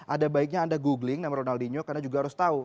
ada baiknya anda googling nama ronaldinho karena juga harus tahu